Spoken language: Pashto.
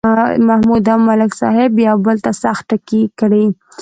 محمود او ملک صاحب یو بل ته سخت ټکي کړي.